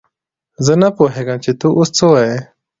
زه نه پوهېږم چې ته اوس څه وايې!